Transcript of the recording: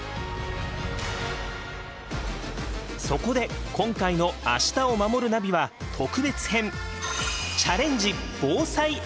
そこで今回の「明日をまもるナビ」は特別編。